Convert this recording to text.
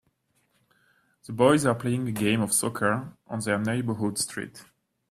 The boys are playing a game of soccer on their neighborhood street.